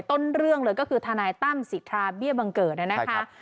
ต้นเรื่องเลยก็คือทนายตั้มสิทธาเบี้ยบังเกิดนะคะ